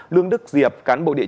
lương đức diệp cán bộ địa chính xã